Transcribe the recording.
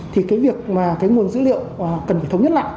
thì cái việc mà cái nguồn dữ liệu cần phải thống nhất lại